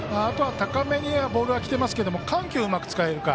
あとは高めにボールはきてますが緩急がうまく使えるか。